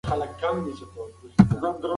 سکون دی.